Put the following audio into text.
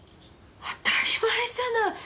当たり前じゃない。